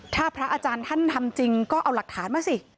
ถ้าพระอาจารย์ท่านทำจริงก็เอาหลักฐานมาสิ